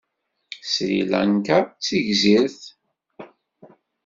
Sri Lanka d tigzirt.